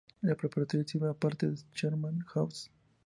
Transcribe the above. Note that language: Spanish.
La preparatoria sirve a partes de Sherman Oaks.